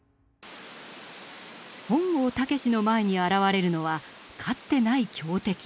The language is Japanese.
本郷猛の前に現れるのはかつてない強敵。